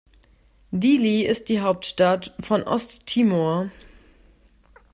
Dili ist die Hauptstadt von Osttimor.